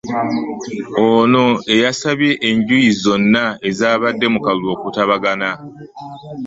Ono eyasabye enjuyi zonna ezaabadde mu kalulu okutabagana